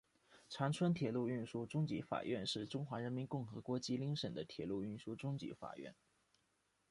长春铁路运输中级法院是中华人民共和国吉林省的铁路运输中级法院。